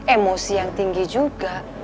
emosi yang tinggi juga